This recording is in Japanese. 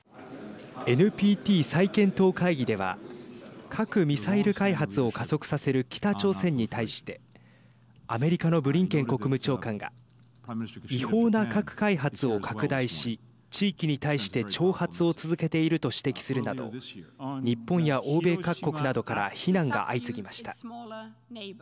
ＮＰＴ再検討会議では核・ミサイル開発を加速させる北朝鮮に対してアメリカのブリンケン国務長官が違法な核開発を拡大し地域に対して挑発を続けていると指摘するなど日本や欧米各国などから非難が相次ぎました。